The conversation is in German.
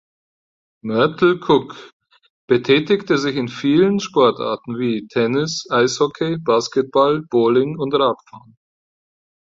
Myrtle Cook betätigte sich in vielen Sportarten wie: Tennis, Eishockey, Basketball, Bowling und Radfahren.